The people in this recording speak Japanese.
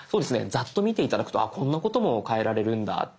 ざっと見て頂くとこんなことも変えられるんだって。